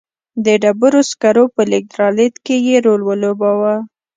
د ډبرو سکرو په لېږد رالېږد کې یې رول ولوباوه.